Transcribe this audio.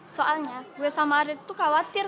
soalnya gue sama arief tuh khawatir